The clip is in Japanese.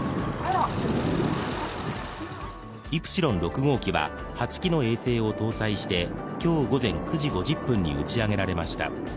イプシロン６号機は８機の衛星を搭載して今日午前９時５０分に打ち上げられました。